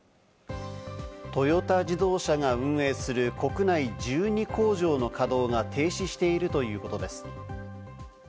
トヨタ自動車が運営する国内１２工場の稼働が停止しているということです。